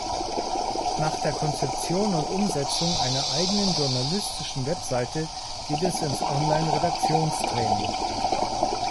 Nach der Konzeption und Umsetzung einer eigenen journalistischen Website geht es ins Online-Redaktionstraining.